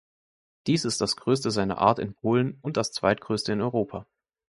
Dies ist das größte seiner Art in Polen und das zweitgrößte in Europa.